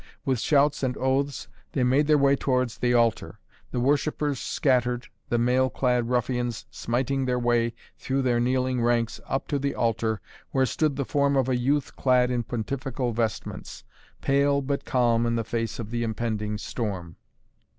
With shouts and oaths they made their way towards the altar. The worshippers scattered, the mail clad ruffians smiting their way through their kneeling ranks up to the altar where stood the form of a youth clad in pontifical vestments, pale but calm in the face of the impending storm.